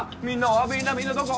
みんなみんなどこ？